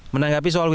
menanggapi soal wib